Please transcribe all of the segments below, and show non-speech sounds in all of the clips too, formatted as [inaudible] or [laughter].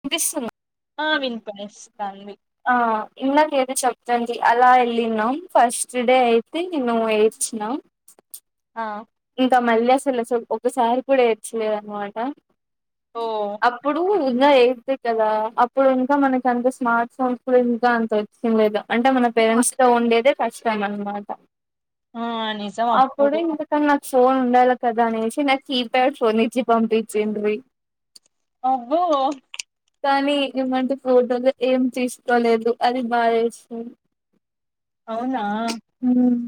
వినిపిస్తుందా ఆ వినిపినిస్తాంది ఆ ఇందకేదో చెప్పదండి అలా వెళ్ళినం ఫస్ట్ డే అయితే నేను ఏడ్చ్చిన ఆ ఇంకా మళ్ళ అసలు ఒకసారి కూడా ఎడాచలేదు అనమాట ఓ అప్పుడు ఇంకా ఎయిట్ ఎ కదా అప్పుడు ఇంకా మనకి అంత స్మార్ట్ ఫోన్స్ కూడా ఇంకా అంత వచ్చంది లేదా అంటే మన పేరెంట్స్ లో ఉండేదే ఫస్ట్ టైమ్ అన్నమాట ఆ నిజం ఆప్పుడు అప్పుడు ఇంకా [unintelligible] ఫోన్ ఉండాలి కదా అనేసి నాకు కీప్యాడ్ ఫోన్ ఇచ్చి పంపించింది అబ్బో కానీ ఏమంటే ఫోటోలు ఏం తీసుకోలేదు అది బాగా ఎస్తుంది అవునా హ్మ్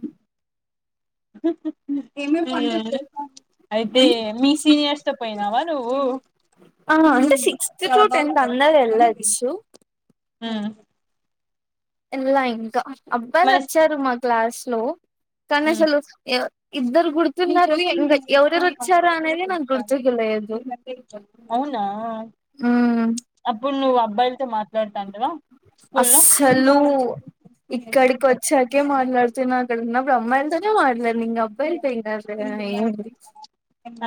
ఏమ మ్మ్ [unintelligible] అయితే మీ సీనియర్స్ తో పోయినావా నువ్వు ఆ అంటే సిక్స్త్టు టెన్త్ అందరూ వెళ్ళచు హ్మ్ ఎళ్ళ ఇంకా అబ్బాయిలు మన వచ్చారు మా క్లాస్ లో కానీ ఉమ్ అసలు ఎ ఇద్దరు గుర్తున్నారు ఇంకా ఎవరెరు వచ్చారా అనేది నాకు గుర్తు తెలిదు [unintelligible] అప్పుడు నువ్వు అబ్బాయిలతో మాట్లాడుతాంటవా స్కూ లో హలో ఇక్కడికి వచ్చాకే మాట్లాతునా అక్కడ ఉన్నప్పుడు అమ్మాయిల తో నే మాట్లాడాను ఇంకా అబ్బాయి తో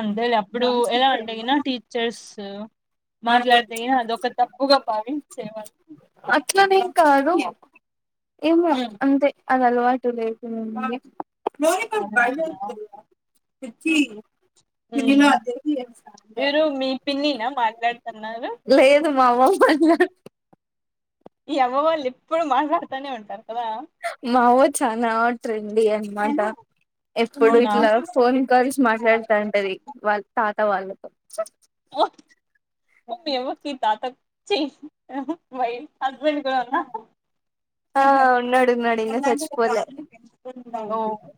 అంతేలే అప్పుడు ఎలా అంటే గిన టీచర్స్ ఏంది మాట్లాడితే గిన అదొక తప్పుగా [unintelligible] భావించేవాళ్ళు అట్లానేం కాదు ఏమో ఉమ్. అంతే అది అలవాటు లేదు మ మ బ మీరు మీ పిన్ననా లేదు మామ మాట్లాడు ఈ అవ్వ వాళ్ళు ఎప్పుడు మాట్లాడుతనే ఉంటారు కదా మావో చానా నాట్ రెడీ అనమాట ఎప్పుడు ఇట్లా ఫోన్ కాల్స్ మాట్లాడుతా ఉంటది వాళ్ తాత వాళ్ళతో ఓ ఓకే ఓకే తాతచ్చి వై హస్బెండ్ కూడా అన్నా ఆ ఉన్నాడు ఉన్నాడు ఇంకా చచ్చిపోలే ఉండాలి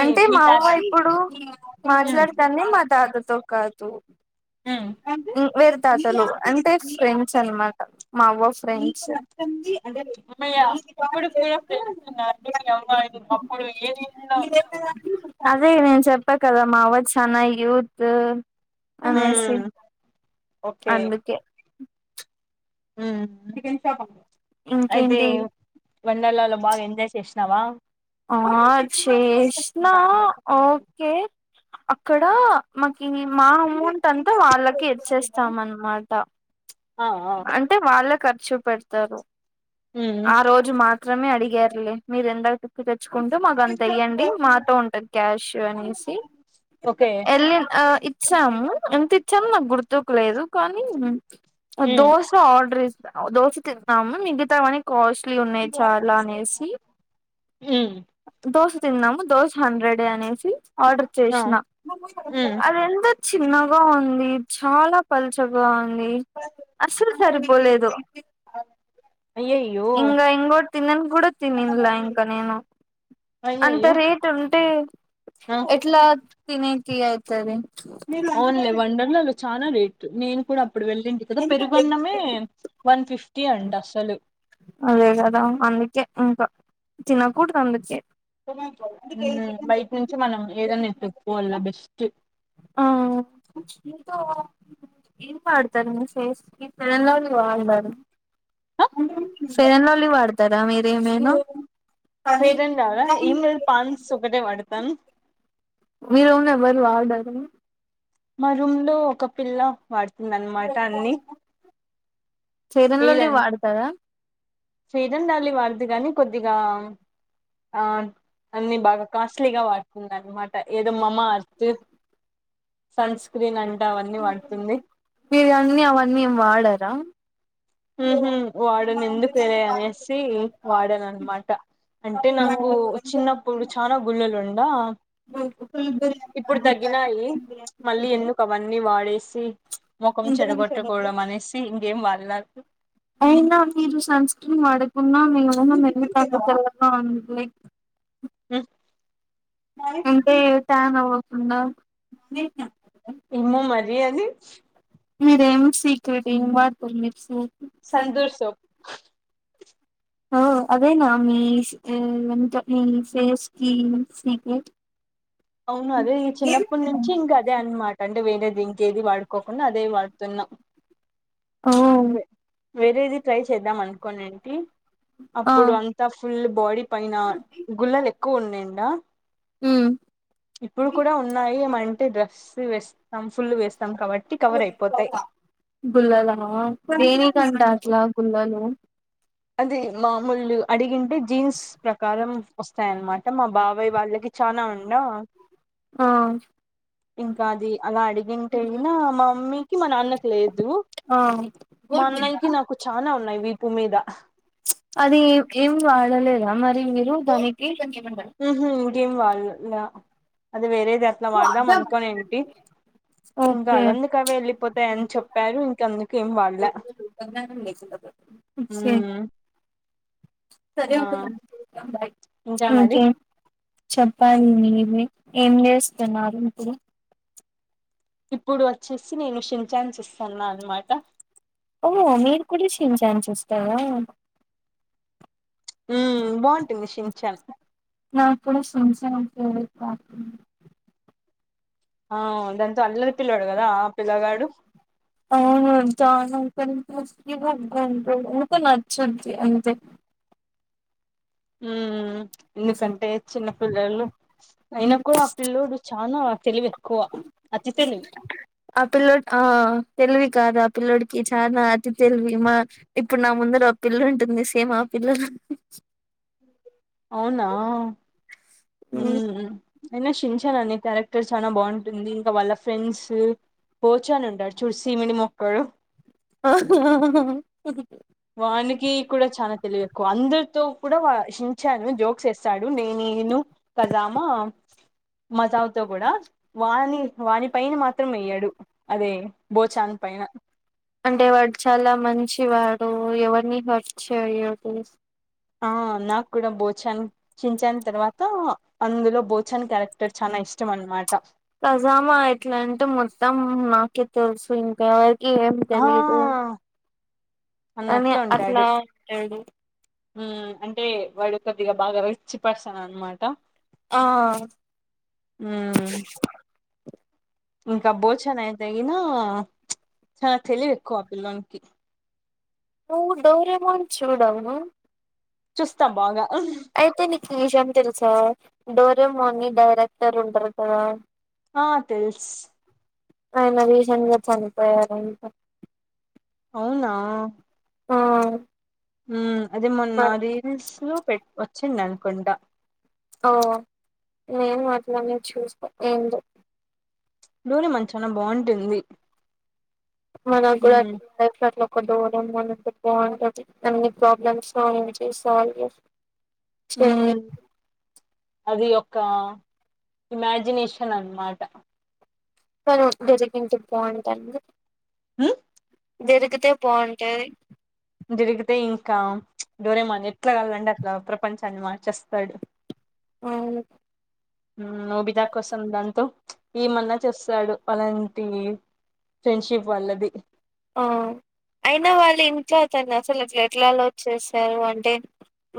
అంటే మీ మా అవ్వ తాత ఇప్పుడు ఉమ్ మాట్లాడతంది మా తాత్తో కాదు ఉమ్ వేర తాతలు అంటే ఫ్రెండ్స్ అనమాట మా అవ్వ ఫ్రెండ్స్ కంది అమ్మయప్పుడు కూడా ఫెన్నారుడి అవబ అప్పుడు ఏదలో అదే నేను చెప్పా కదా మా అవ్వ చన్న యూత్ అనేసి హ్మ్ ఓకే అందుకే హ్మ్ అయితే ఇంకేంటి వన్డర్ల లో బాగా ఎంజాయ్ చేస్త తిన్నావా ఆ చేసినా ఓకే అక్కడ మాకి మా అమౌంట్ అంతా వాళ్ళకి ఇచ్చేస్తాం అనమాట ఆ ఆ అంటే వాళ్ళే ఖర్చు పెడతారు ఉమ్ ఆ రోజు మాత్రమే అడిగారులే మీరుెండ తిప్పి తెచ్చుకుంటూ మాకు అంత ఇయ్యండి మాతో ఉంటు క్యాష్ అనేసి ఓకే వెళ్ళి ఆ ఇచ్చాము ఎంత ఇచ్చాము నాకు గుర్తుకులేదు కానీ ఉమ్ దోస ఆర్డర్ ఇస్త దోస తిద్దన్నాా మిగతావానీ కాస్ట్ లు ఉన్నాయి చాలా అనేసి ఉమ్ దోశ తిన్నాము దోశ హండ్రెడ్ అనేసి ఆర్డర్ ఆ చేసినా ఉమ్ అది ఎంత చిన్నగా ఉంది చాలా పల్చగా ఉంది అస్సలు సరిపోలేదు అయ్యయ్యో ఇంగో ఇంగ్ తిని కూడా తినిల్లా ఇంకా నేను అంత అయ్యయ్యో రేట్ ఉంటే ఆ ఎట్లా తినే తీ ఐతది ఓన్లే వండర్లు అలో చాలా రేట్ నేను కూడా అప్పుడు వెళ్ళింటి కదా పెరుగున్నమే వన్ ఫిఫ్టీ అంట అసలు అదే కదా అందుకె ఇంకా తిన కుడదు అందుకె ఉమ్, బయట నుంచి మనం ఏదన్నా ఎతుక్కోవాల బెస్ట్ ఆ ఆ ఏం వాడతారు మీ ఫేస్ కి ఫెయిర్ అండ్ లవ్లీ వాడతారు ఫెయిర్ అన్ లవ్లీ వాడతారా మీరేమైనా ఫేరన్ లవలా ఎం లేదు పాండ్స్ ఒకటే వాడతాను మె రూంలో లో ఎవ్వరు వాడరా మా రూమ్ లో ఒక పిల్ల వాడుతుంద అనమాట అన్ని ఫెరెన్ లవ్ లి వాడతారా ఫెరెన్ లవ్ లి వాడొద్దు గాని కొద్దిగా ఆ అన్నిీ బాగా కాస్ట్లీగా వాడుతున్నా అనమాట ఏదో మామ అర్తు సన్ స్క్రీన్ అంటే అవన్నీ వాడుతుంది అవన్నీం వాడరా ఊ హు వాడను ఎందుకు వెలే అనేసి వాడన అనమాట అంటే నాకు చిన్నప్పుడు చనాా గుళులు ఉంద ఇప్పుడు తగ్గినయి మళ్ళీ ఎందుకు అవన్నీ వాడేసి ముఖం చెడగొట్టకోవడం అనేసి ఇంకేం వాడ్ల అయినా మీరు సన్స్కీ వాడకున్న మెరూన్ కలర్ తెల్లగా ఉంటారు లే ఆ అంటే ట్యాన్ అవకుండా ఇమో మరి అది మీరేం secret in what to mix Santoor soap ఓ [inaudible] అదేనా మీ మీ ఫేస్ కి సీక్రెట్ అవును అదే ఈ చిన్నప్పటి నుంచి ఇంకా అదే అనమాట అంటే వేరేది ఇంకేది వాడు కోకుండా అదే వాడుతున్నాం ఓ వేరేది ట్రై చేద్దాం అనుకోం ఏంటి ఆ అప్పుడు అంతా ఫుల్ బాడీ పైన గుల్ళలు ఎక్కువ ఉన్నాయండా ఊ ఇప్పుడు కూడా ఉన్నాయి మంటే డ్రెస్ వెస్ మ ఫుల్ వేస్తాం కాబట్టి కవర్ అయిపోతాయి గుల్లల దేనికంట అట్లా గుల్లలు అది మామూలు అడిగింటే జీన్స్ ప్రకారం వస్తాయన్నమాట మా బాబాయ్ వాళ్ళకి చానా ఉండా ఆ ఇంకా అది అలా అడి తగింటే అయినా మా మమ్మీకి మా నాన్నకి లేదు ఆ మా అన్నయకి నాకు చనా ఉన్నాయి వీపు మీద అది ఏం వాడలేదా మరి మీరు దానికి ఇంకేమి వాడ అది వేరేది అట్లా వాడదాం అనుకొని ఏమింటి ఇంకా ఓకే అదందుకవి వెళ్ళిపోతాయని చెప్పారు ఇంక అందుకేం వాడలే ఊ సరేకే ఉంటా బాయ్ ఇంకా మరి చెప్పాలి మీవి ఏం చేస్తున్నారు ఇప్పుడు ఇప్పుడు వచ్చేసి నేను శింజన్స్ ఇస్తాన్నా అనమాట ఓహో మీరు కూడా షిన్జాన్ చూస్తారా ఉమ్ బాగుంటుంది సించన్ నాక్ కూడా సించన్ ఫేవరేట్ కార్టూన్ ఆ దాంతో అల్లరి పిల్లడు కదా ఆ పిల్లగాడు ఉక్కే నచ్చుద్ది అంతే ఉమ్ ఎందుకంటే చిన్న పిల్లలు అయినా కూడా ఆ పిల్ల్లోడు చనా తెలివ ఎక్కువ అతి తెలివి ఆ పిల్లడ్ ఆ తెలివి కాదు ఆ పిలోడికి చాలా అతి తెలివి మా ఇప్పుడు నా ముందుర ఓ పిల్ల ఉంటుంది సేమ్ ఆ పిల్ [unintelligible] అవునా ఉహ్మ్ అయినా షించానునే క్యారెక్టర్ చాలా బాగుంటుంది ఇంకా వాళ్ళ ఫ్రెండ్స్ పో చోని ఉంటడ్ చూడు సిమిడీ ముక్కోడు వానికి కూడా చాల తెలివి ఎక్కువ అందరితో కూడా వ షించాను జోక్స్ వేస్తాడు నేను ఎను కజామా మజావతో కూడా వాని వాని పైన మాత్రం వేయ్యాడు అదే బోచాన్ పైన అంటే వాడు చాలా మంచి తో ఎవరిని హార్ట్ చేయాకు అనేసి ఆ నాకు కూడా బోచాన్ సించన్ తర్వాత అందులో భోచాన్ క్యారెట్ ఖజామా ఎట్లాంటే మొత్తం నా కే తెలుసు ఇంకా ఏం ఆ తెలిదు అని అన్నట్లు అట్లా ఉంటాడు అంటాడు అంటే వాడు కొద్దిగా బాగా రిచ్ పర్సన్ అనమాట ఆ ఉమ్ ఇంకా భోచన అయితెగిన చానా తెలివు ఎక్కువ ఆ పిల్లోనికి నువ్వు డౌరమోన్ చూడవ్ నువ్వు చూస్తా బాగా అయితే నీక్ నిజమ్ తెలుసా డోరే మోని డైరెక్టర్ ఉంటారు కదా ఆ తెలుస్ ఆయన రీసెంట్ చనిపోయారంట అవునా ఆ ఉమ్ అది మొన్న రీల్స్ లో పెట్ వచ్చింది అనుకుంటా ఓ నేను అట్లానే చూస్తా ఏందో లులు మాల్ చానా బాగుంటుంది మనక్ కూడా ఉమ్ [unintelligible] ఒక దూరం మనంటె బాగుంటది అన్ని ప్రాబ్లమ్స్ సాల్వ్ చేస్ [unintelligible] ఉమ్ అది ఒక ఇమాజినేషన్ అనమాట్ తను దొరికింటె బాన్టాండ ఉమ్ దొరికితే బావుంటది జరిగితే ఇంకా ఉచ్ డోరెమాన్ ఎట్లా కాలంటే అట్లా ప్రపంచం తను మార్చేస్తాడు అవును ఉమ్ నోబితా కోసం దాంతో ఉచ్ ఎమన్నా చస్తాడు వాళన్ తీ ఫ్రెండ్షిప్ వలది ఆ అయినా వాళ్ళ ఇంట్లో అతన్ని అసలు అట్లా ఎట్లా అల్లో చేసారు అంటే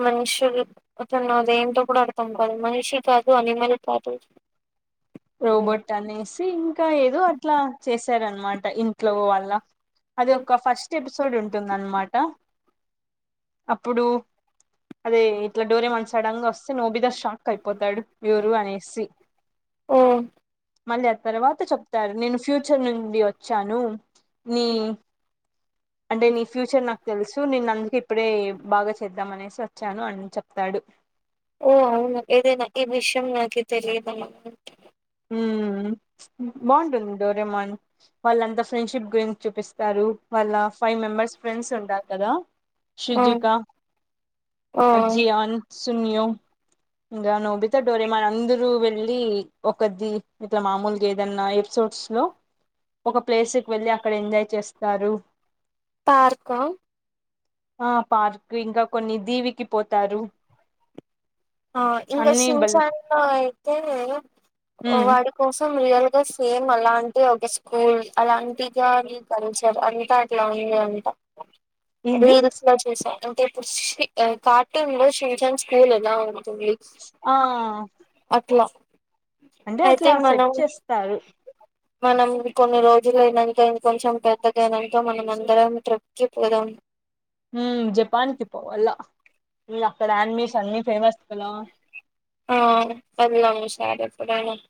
మనుషులు అతను మరి ఏంటో కూడా అర్థం కాదు మనిషి కాదు అనిమల్లు కాదు రోబోట్ అనేసి ఇంకా ఏదో అట్లా చేశారు అనమాట ఇంట్లో వాల్ళ అది ఒక ఫస్ట్ ఎపిసోడ్ ఉంటుందనమాట అప్పుడు అదే ఇట్లా డోరేమాన్ సడన్ గా వస్తే నోబిద షాక్ అయిపోతాడు ఎవరు అనేసి ఓ మళ్ళీ ఆ తర్వాత చెప్తారు నేను ఫ్యూచర్ నుండి వచ్చాను నీ అంటే నీ ఫ్యూచర్ నాకు తెలుసు నేను అందుకె ఇప్పుడే బాగా చేద్దాం అనేసి వ వచ్చాను అని చెప్తాడు ఓ అవును ఏదైనా ఈ విషయం నాకు తెలియదు మేడం ఊ ప్చ్ బాగుంటుంది డోరేమాన్ వాళ్ళంతా ఫ్రెండ్షిప్ గురించి చూపిస్తారు వాళ్ళ ఫైవ్ మెంబర్స్ ఫ్రెండ్స్ ఉంటారు కదా ఆ షుజుక ఆ అ జియాన్ సునియో ఇంకా నొబితా డోరేమాన్ అందరు వెళ్ళి ఒకది ఇట్లా మామూలుగా ఏదన్న ఎపిసోడ్స్ లో ఒక ప్లేస్ కు వెళ్ళి అక్కడ ఎంజాయ్ చేస్తారు పార్కా ఆ పార్క్ ఇంకా కొన్ని దీవికి పోతారు ఆ ఇంకా అన్ని బల్ షించాన్ అయితే ఉమ్ వాడి కోసం రియల్గా అస్ సేమ్ అలాంటి ఒక స్కూల్ అలాంటి గాని కల్చర్ అంతా అట్లా ఉంది అంట ఏంది రీల్స్ లో చూసా అంటే ఇప్పుడు ఉషి ఆ కార్టూన్ లో షిన్జాన్ స్కూల్ ఎలా ఉం టు వీక్స్ ఆ అట్లా అంటే అయితే అట్లా సెట్ మనం చేస్తారు మనం కొన్ని రోజులు అయినంక ఇంకొంచెం పెద్దగాయినంక మనం అందరం ట్రిప్కి పోదాం ఊ జపాన్కి పోవాల ఇగ అక్కడ అన్మేషన్ అన్ని ఫేమస్ కద పాదర్సు దామం